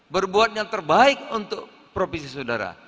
berbuat yang terbaik untuk provinsi saudara